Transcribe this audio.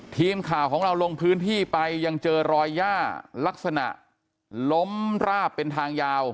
ทีมข่าวของเราลงพื้นที่ไปยังเจอรอยย่าลักษณะล้มราบเป็นทางยาว